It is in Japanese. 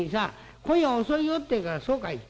『今夜は遅いよ』って言うから『そうかい』って。